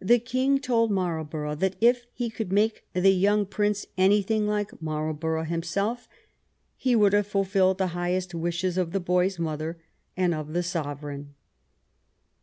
The King told Marl borough that if he could make the young prince any thing like Marlborough himself he would have fulfilled the highest wishes of the boy's mother and of the sov ereign.